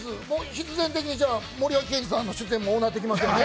必然的にもう、森脇健児さんの出演も多なってきますよね。